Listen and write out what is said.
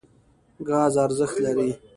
ګاز ارزښت لري.